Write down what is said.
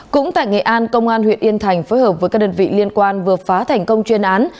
cũng tại nghệ an công an huyện yên thành phối hợp với các đơn vị liên quan vừa phá thành công chuyên án